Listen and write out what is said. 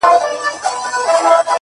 ښكلي چي گوري!! دا بيا خوره سي!!